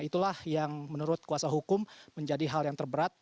itulah yang menurut kuasa hukum menjadi hal yang terberat